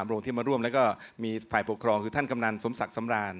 โรงที่มาร่วมแล้วก็มีฝ่ายปกครองคือท่านกำนันสมศักดิ์สำราญ